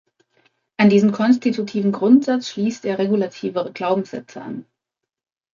An diesen konstitutiven Grundsatz schließt er regulative Glaubenssätze an.